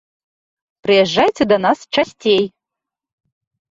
Прыязджайце да нас часцей!